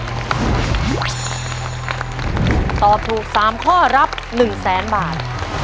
ถ้าตอบถูก๓ข้อรับ๑๐๐๐๐๐บาท